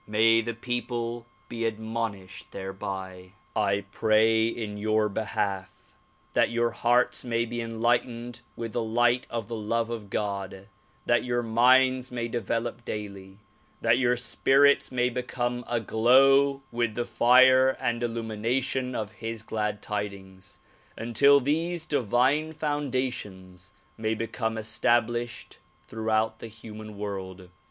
May the people be admonished thereby. 64 THE PROMULGATION OF UNIVERSAL PEACE I pray in your behalf that your hearts may be enlightened with the light of the love of God; that your minds may develop daily; that your spirits may become aglow with the fire and illumination of his glad tidings, until these divine foundations may become es tablished throughout the human world.